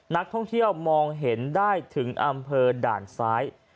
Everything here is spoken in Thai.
นักท่องเที่ยวมองเห็นได้ถึงอำเภอด่านซ้าย